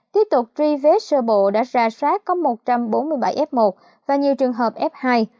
tiếp tục truy vết sơ bộ đã ra soát có một trăm bốn mươi bảy f một và nhiều trường hợp f hai